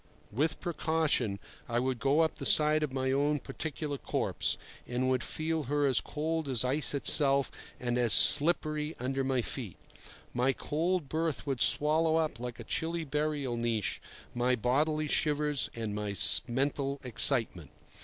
With precaution I would go up the side of my own particular corpse, and would feel her as cold as ice itself and as slippery under my feet. My cold berth would swallow up like a chilly burial niche my bodily shivers and my mental excitement.